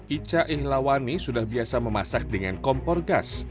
ica ihlawani sudah biasa memasak dengan kompor gas